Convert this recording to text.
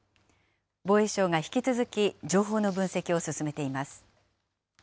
防衛省が引き続き、情報の分析を進めています。